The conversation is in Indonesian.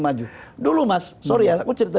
maju dulu mas sorry aku cerita